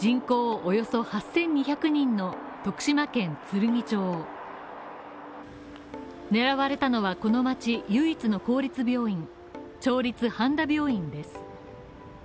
およそ８２００人の徳島県つるぎ町選ばれたのはこの町唯一の公立病院、町立半田病院です。